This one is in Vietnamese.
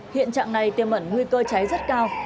hiện trạng này tiêm ẩn nguy cơ cháy rất cao